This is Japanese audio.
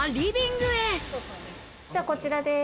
こちらです。